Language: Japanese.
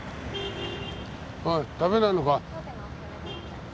おい食べないのか？